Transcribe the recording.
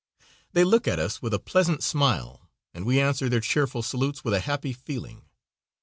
They look at us with a pleasant smile, and we answer their cheerful salutes with a happy feeling.